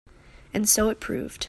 And so it proved.